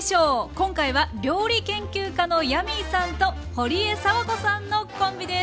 今回は料理研究家のヤミーさんとほりえさわこさんのコンビです。